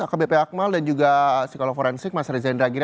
akbp akmal dan juga psikolog forensik mas reza indragiri